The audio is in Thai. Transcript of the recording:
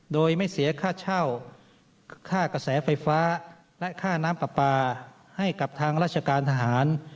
โดยไม่เสียค่าเช่าค่ากระแสไฟฟ้าและค่าน้ำปลาปลาให้กับทางราชการทหาร